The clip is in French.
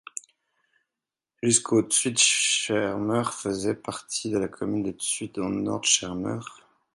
Jusqu'au Zuidschermer faisait partie de la commune de Zuid- en Noord-Schermer.